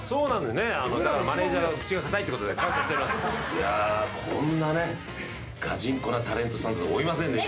いやこんなガチンコなタレントさんだと思いませんでした。